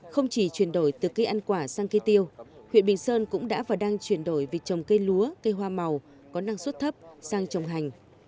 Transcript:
không chỉ chuyển đổi từ cây ăn quả sang cây tiêu huyện bình sơn cũng đã và đang chuyển đổi việc trồng cây lúa cây hoa màu có năng suất thấp sang trồng hành